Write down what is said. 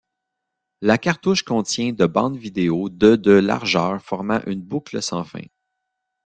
La cartouche contient de bande vidéo de de largeur formant une boucle sans fin.